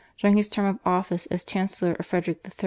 during his term of office as Chancellor of Frederick III.